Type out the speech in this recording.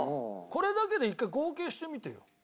これだけで１回合計してみてよ。